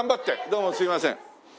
どうもすいません。